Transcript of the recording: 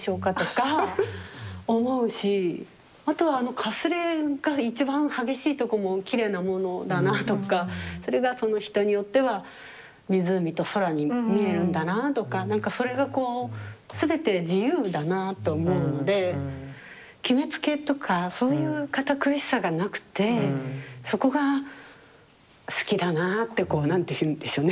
あとはかすれが一番激しいとこもきれいなものだなとかそれがその人によっては湖と空に見えるんだなあとか何かそれがこう全て自由だなあと思うので決めつけとかそういう堅苦しさがなくてそこが好きだなあってこう何て言うんでしょうね